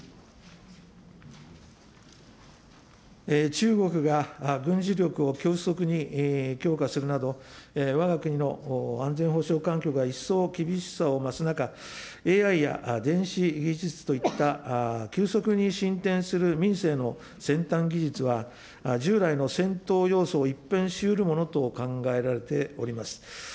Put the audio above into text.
中国が軍事力を急速に強化するなど、わが国の安全保障環境が一層厳しさを増す中、ＡＩや電子技術といった急速に進展する民生の先端技術は、従来の戦闘様相を一変しうるものと考えられております。